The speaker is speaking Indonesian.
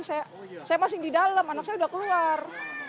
saya masing di dalam anak saya udah keluar